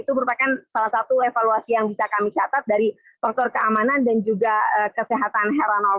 itu merupakan salah satu evaluasi yang bisa kami catat dari faktor keamanan dan juga kesehatan heranov